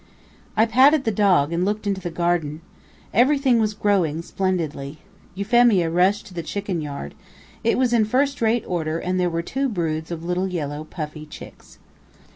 I patted the dog and looked into the garden. Everything was growing splendidly. Euphemia rushed to the chicken yard. It was in first rate order, and there were two broods of little yellow puffy chicks.